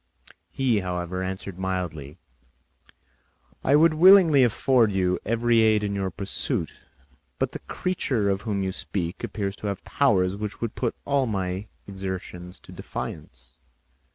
He, however, answered mildly, "I would willingly afford you every aid in your pursuit, but the creature of whom you speak appears to have powers which would put all my exertions to defiance.